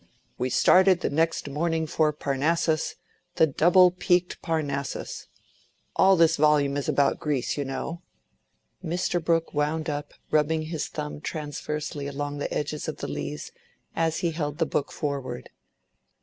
—'We started the next morning for Parnassus, the double peaked Parnassus.' All this volume is about Greece, you know," Mr. Brooke wound up, rubbing his thumb transversely along the edges of the leaves as he held the book forward.